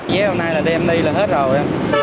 giá hôm nay là đem đi là hết rồi